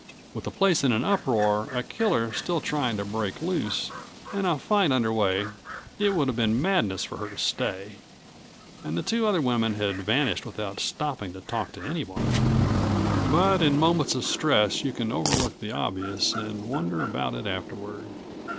With the place in an uproar, a killer still trying to break loose and a fight under way it would have been madness for her to stay, and the two other women had vanished without stopping to talk to anyone. But in moments of stress you can overlook the obvious and wonder about it afterward.